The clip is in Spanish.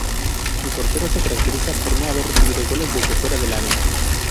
El portero se caracteriza por no haber recibido goles desde fuera del área.